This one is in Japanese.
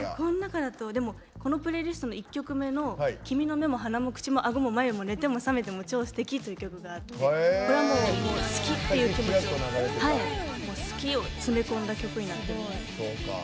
このプレイリストの１曲目の「君の目も鼻も口も顎も眉も寝ても覚めても超素敵！！！」という曲があってこれはもう、好きっていう気持ち好きを詰め込んだ曲になってます。